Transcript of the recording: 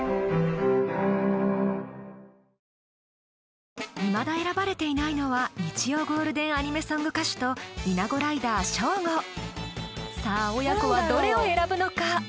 超人気いまだ選ばれていないのは日曜ゴールデンアニメソング歌手と１７５ＲＳＨＯＧＯさあ親子はどれを選ぶのか？